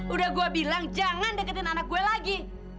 udah gue bilang jangan deketin anak gue lagi